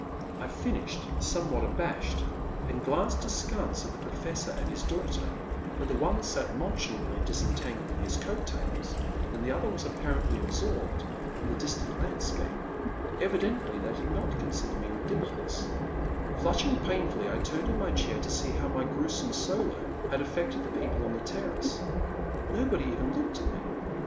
I finished, somewhat abashed, and glanced askance at the Professor and his daughter, but the one sat nonchalantly disentangling his coat tails, and the other was apparently absorbed in the distant landscape. Evidently they did not The Man at the Next Table. 369 consider me ridiculous. Flushing painfully, I turned in my chair to see how my gruesome solo had affected the people on the terrace. Nobody even looked at me.